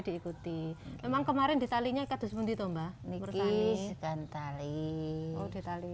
diikuti memang kemarin di salingnya kata sebut itu mbak nikita dan tali tali